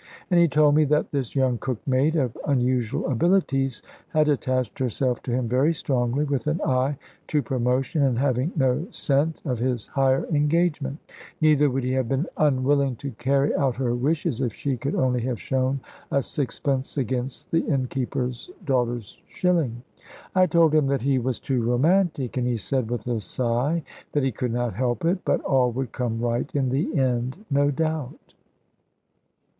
And he told me that this young cook maid, of unusual abilities, had attached herself to him very strongly, with an eye to promotion, and having no scent of his higher engagement: neither would he have been unwilling to carry out her wishes if she could only have shown a sixpence against the innkeeper's daughter's shilling. I told him that he was too romantic, and he said with a sigh that he could not help it; but all would come right in the end, no doubt.